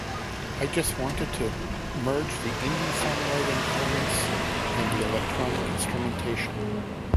I just wanted to merge the indie songwriting elements and electronic instrumentation.